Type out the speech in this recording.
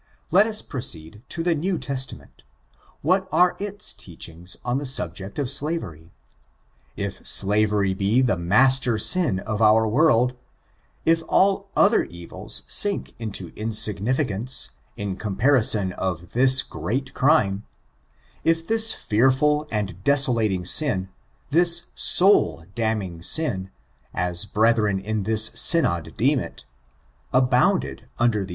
Let us proceed to the New Testament What are its teachings on the subject of slavery? If slavery be the master sin of our world ; if all other evils sink into insignificance, in comparison of this giant crime; if this fearful and desolating sin — this soul damning sin, as brethren in this Synod deem it, abounded under ibe :■' ^^i^^^^^^%^^^^%#^ ON ABOLITIONISM.